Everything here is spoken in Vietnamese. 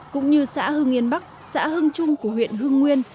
cũng như xã hưng yên bắc xã hưng trung của huyện hưng nguyên